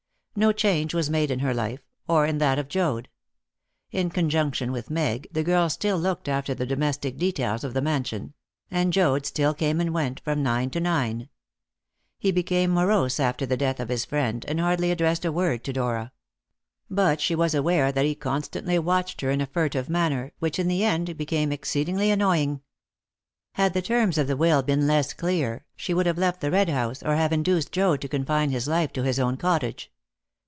No change was made in her life, or in that of Joad. In conjunction with Meg, the girl still looked after the domestic details of the mansion; and Joad still came and went from nine to nine. He became morose after the death of his friend, and hardly addressed a word to Dora. But she was aware that he constantly watched her in a furtive manner, which in the end became exceedingly annoying. Had the terms of the will been less clear, she would have left the Red House, or have induced Joad to confine his life to his own cottage.